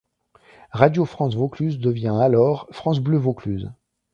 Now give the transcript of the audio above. Radio France Vaucluse devient alors France Bleu Vaucluse.